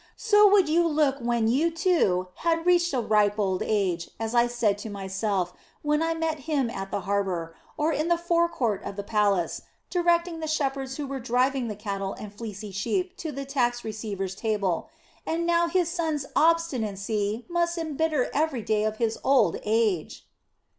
So would you look when you, too, had reached a ripe old age, as I said to myself, when I met him at the harbor, or in the fore court of the palace, directing the shepherds who were driving the cattle and fleecy sheep to the tax receiver's table. And now his son's obstinacy must embitter every day of his old age."